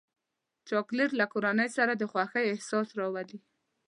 چاکلېټ له کورنۍ سره د خوښۍ احساس راولي.